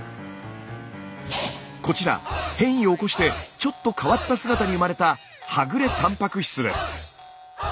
こちら変異を起こしてちょっと変わった姿に生まれたはぐれたんぱく質です。